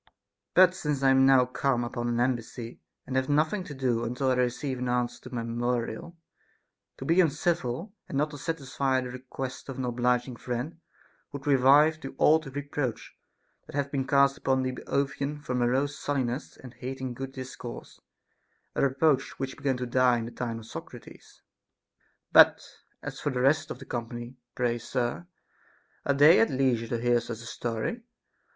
But since I am now come upon an embassy, and have nothing to do until I receive an answer to my memorial, to be uncivil and not to satisfy the request of an obliging friend would revive the old reproach that hath been cast upon the Boeotians for morose sullenness and hating good discourse, a reproach which began to die in the time of Socrates. ' But as for the rest of the company, pray sir, are they at leisure to hear such a story